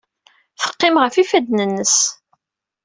Teqqim ɣef yifadden-nnes.